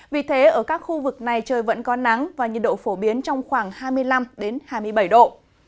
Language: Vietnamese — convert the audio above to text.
vì thế ở các khu vực này trời vẫn có nắng và nhiệt độ phổ biến trong khoảng hai mươi năm hai mươi bảy độ